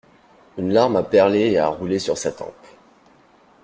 Une larme a perlé et a roulé sur sa tempe.